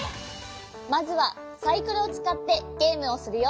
まずはサイコロをつかってゲームをするよ。